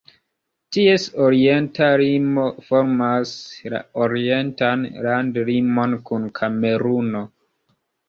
Ties orienta limo formas la orientan landlimon kun Kameruno.